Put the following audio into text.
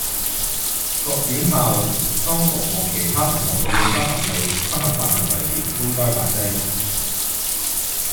各院校當局和其他同學遇到不合理、不合法行為時應該發聲